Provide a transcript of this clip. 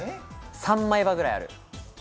３枚刃ぐらいある。